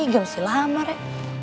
gak mesti lama re